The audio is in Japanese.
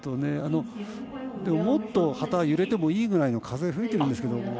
もっと旗揺れてもいいぐらいの風が吹いてるんですけど。